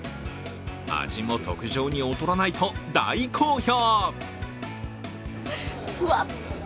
味も特上に劣らないと、大好評。